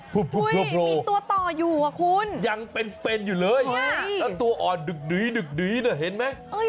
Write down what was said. มีตัวต่ออยู่คุณยังเป็นอยู่เลยตัวอ่อนดึกดึกเนี่ยเห็นไหม